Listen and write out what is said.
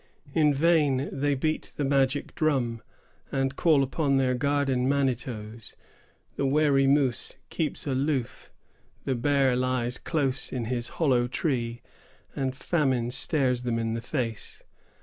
In vain they beat the magic drum, and call upon their guardian manitoes;——the wary moose keeps aloof, the bear lies close in his hollow tree, and famine stares them in the face.